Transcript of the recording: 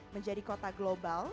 menjadi kota global